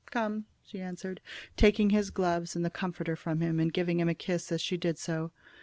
"Come," she answered, taking his gloves and comforter from him, and giving him a kiss as she did so.